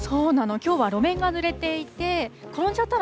きょうは路面がぬれていて、転んじゃったの？